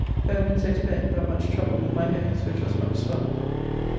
Home and so to bed, but much troubled with my nose, which was much swelled.